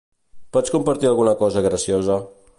Pots compartir alguna cosa graciosa?